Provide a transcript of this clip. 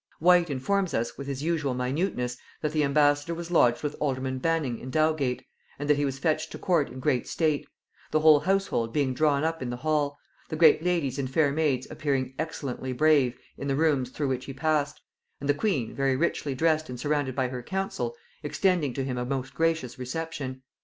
Whyte informs us, with his usual minuteness, that the ambassador was lodged with alderman Baning in Dowgate; and that he was fetched to court in great state, the whole household being drawn up in the hall; the great ladies and fair maids appearing "excellently brave" in the rooms through which he passed; and the queen, very richly dressed and surrounded by her council, extending to him a most gracious reception.